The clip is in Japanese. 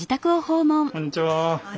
こんにちは。